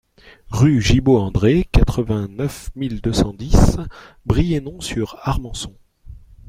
Rue Gibault André, quatre-vingt-neuf mille deux cent dix Brienon-sur-Armançon